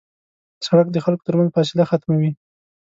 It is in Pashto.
سړک د خلکو تر منځ فاصله ختموي.